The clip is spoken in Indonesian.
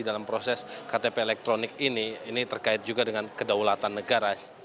dalam proses ktp elektronik ini ini terkait juga dengan kedaulatan negara